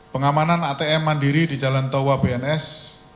pengamanan atm mandiri di jalan towa bns